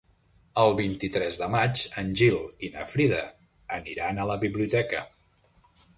El vint-i-tres de maig en Gil i na Frida aniran a la biblioteca.